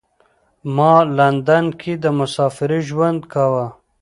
ما لندن کې د مسافرۍ ژوند کاوه.